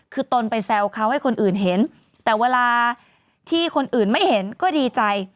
คือตนไปแซวเขาให้คนอื่นเห็นแต่เวลาที่คนอื่นไม่เห็นก็ดีใจ